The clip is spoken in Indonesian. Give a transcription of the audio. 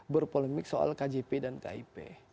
berpolemik soal kjp dan kip